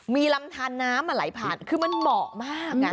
มีลำทานน้ำไหลผ่านคือมันเหมาะมาก